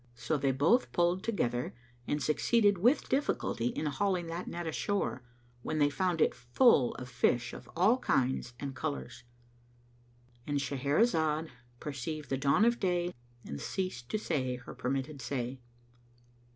So they both pulled together and succeeded with difficulty in hauling that net ashore, when they found it full of fish of all kinds and colours;—And Shahrazad perceived the dawn of day and ceased to say her permitted say.